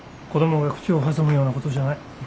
子どもが口を挟むようなことじゃない。